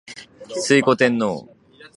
推古天皇